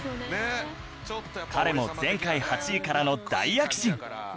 彼も前回８位からの大躍進